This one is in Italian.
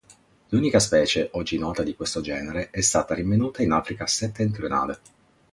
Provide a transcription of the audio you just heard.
L'unica specie oggi nota di questo genere è stata rinvenuta in Africa settentrionale.